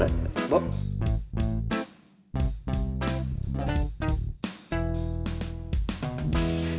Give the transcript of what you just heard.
tapi itu nenek trafiiknya